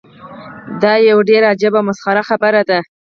دا یوه ډیره عجیبه او مسخره خبره ده.